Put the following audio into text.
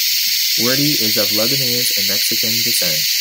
Wardy is of Lebanese and Mexican descent.